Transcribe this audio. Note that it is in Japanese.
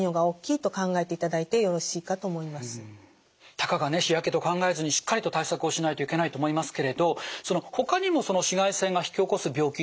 たかがね日焼けと考えずにしっかりと対策をしないといけないと思いますけれどほかにもその紫外線が引き起こす病気っていうのはありますか？